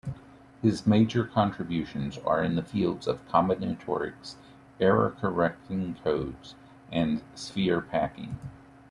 His major contributions are in the fields of combinatorics, error-correcting codes, and sphere packing.